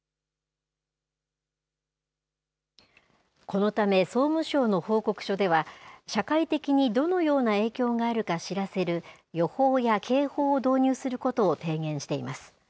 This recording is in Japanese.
このため、総務省の報告書では、社会的にどのような影響があるか知らせる予報や警報を導入することを提言しています。